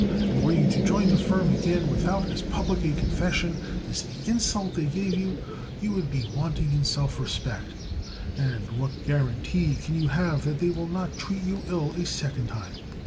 And were you to join the firm again without as public a confession as the insult they gave you, you would be wanting in self respect. And what guarantee can you have that they will not treat you ill a second time?